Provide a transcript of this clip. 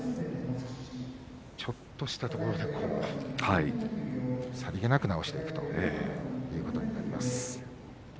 ちょっとしたところでさりげなく直していますね。